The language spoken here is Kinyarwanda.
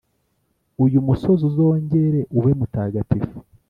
uyumusozi uzongere ube mutagatifu;